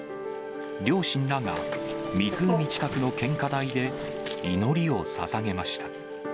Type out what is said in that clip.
両親らが湖近くの献花台で祈りをささげました。